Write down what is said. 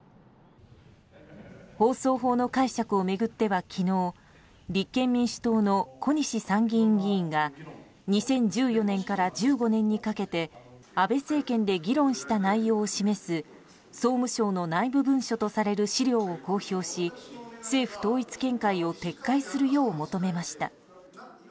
放送法の解釈を巡っては昨日、立憲民主党の小西参議院議員が２０１４年から１５年にかけて安倍政権で議論した内容を示す総務省の内部文書とされる資料を公表し政府統一見解を撤回するよう求めました。